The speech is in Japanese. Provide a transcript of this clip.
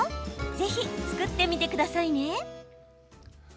ぜひ、作ってみてくださいね。